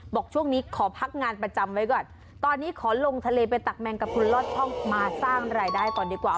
บอกช่วงนี้ขอพักงานประจำไว้ก่อนตอนนี้ขอลงทะเลไปตักแมงกระพุนลอดช่องมาสร้างรายได้ก่อนดีกว่า